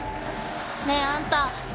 ねぇあんた。